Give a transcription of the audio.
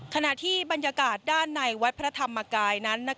ขณะที่บรรยากาศด้านในวัดพระธรรมกายนั้น